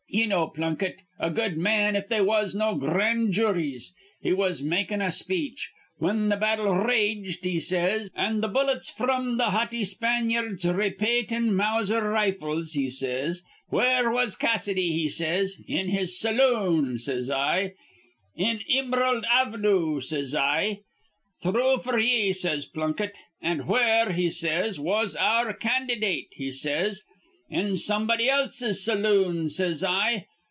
Ye know Plunkett: a good man if they was no gr rand juries. He was makin' a speech. 'Whin th' battle r raged,' he says, 'an' th' bullets fr'm th' haughty Spanyards' raypeatin' Mouser r rifles,' he says, 'where was Cassidy?' he says. 'In his saloon,' says I, 'in I'mrald Av'noo,' says I. 'Thrue f'r ye,' says Plunkett. 'An' where,' he says, 'was our candydate?' he says. 'In somebody else's saloon,' says I.